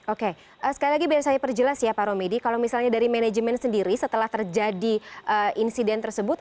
oke sekali lagi biar saya perjelas ya pak romedy kalau misalnya dari manajemen sendiri setelah terjadi insiden tersebut